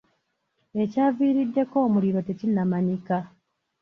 Ekyaviiriddeko omuliro tekinnamanyika.